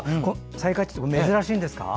サイカチって珍しいんですか？